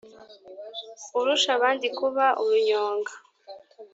urusha bandi kuba urunyonga